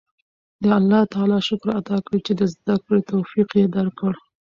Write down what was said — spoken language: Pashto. د الله تعالی شکر ادا کړئ چې د زده کړې توفیق یې درکړ.